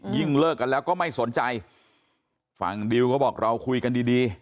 เลิกกันแล้วก็ไม่สนใจฝั่งดิวก็บอกเราคุยกันดีดี